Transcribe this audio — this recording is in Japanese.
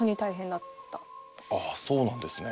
ああそうなんですね。